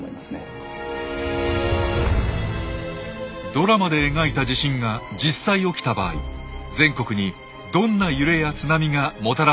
ドラマで描いた地震が実際起きた場合全国にどんな揺れや津波がもたらされるのか。